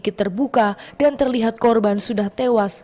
kaki terbuka dan terlihat korban sudah tewas